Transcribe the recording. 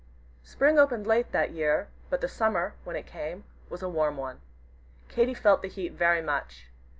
Spring opened late that year, but the Summer, when it came, was a warm one. Katy felt the heat very much.